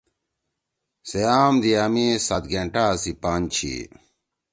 سے عام دیِا می سات گینٹا سی پان چھی